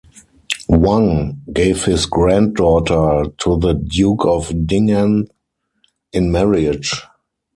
Wang gave his granddaughter to the Duke of Ding'an in marriage.